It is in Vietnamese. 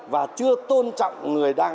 và chưa tôn trọng người nghiện